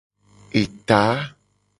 Eta.